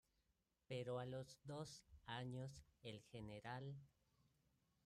Pero a los dos años el Gral.